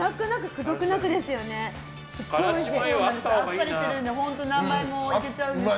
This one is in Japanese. あっさりしてるので本当に何枚もいけちゃうんですよね。